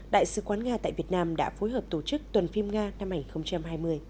đại sứ quán nga tại việt nam đã phối hợp tổ chức tuần phim nga năm hai nghìn hai mươi